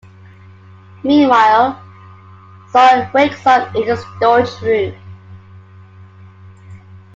Meanwhile, Sion wakes up in a storage room.